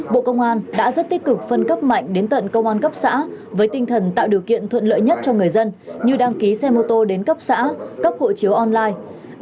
bộ công an đã rất tích cực phân cấp mạnh đến tận công an cấp xã với tinh thần tạo điều kiện thuận lợi nhất cho người dân như đăng ký xe mô tô đến cấp xã cấp hộ chiếu online